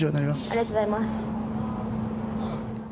ありがとうございます。